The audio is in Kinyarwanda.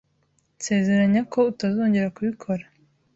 Nsezeranya ko utazongera kubikora.